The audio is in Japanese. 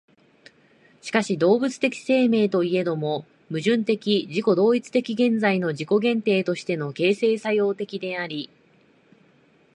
しかし動物的生命といえども、矛盾的自己同一的現在の自己限定として形成作用的であり、